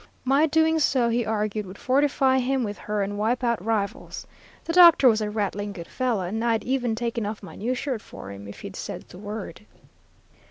My doing so, he argued, would fortify him with her and wipe out rivals. The doctor was a rattling good fellow, and I'd even taken off my new shirt for him, if he'd said the word.